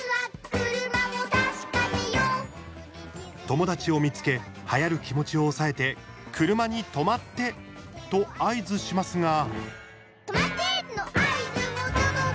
友達を見つけはやる気持ちを抑えて車に止まって！と合図しますが。